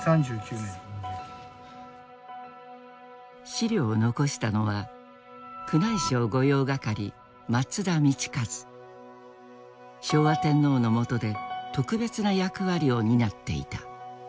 資料を残したのは昭和天皇のもとで特別な役割を担っていた。